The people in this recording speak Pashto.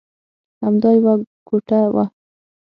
همدا یوه کوټه وه.